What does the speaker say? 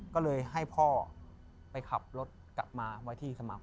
ก็เลยให้พ่อไปขับรถกลับมาไว้ที่สมัคร